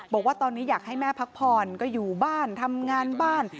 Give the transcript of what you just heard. บอกว่าตอนนี้อยากให้แม่พักผ่อนก็อยู่บ้านทำงานบ้าน